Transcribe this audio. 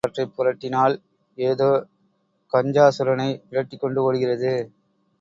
தல வரலாற்றைப் புரட்டினால் ஏதோ கஞ்சாசுரனை விரட்டிக் கொண்டு ஓடுகிறது.